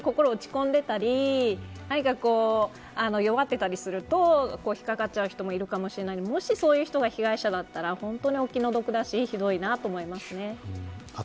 でも何か心を落ち込んでたり何か、弱っていたりすると引っかかっちゃう人もいるかもしれないんでもし、そういう人が被害者だったら、お気の毒だしひどいなと思いますね。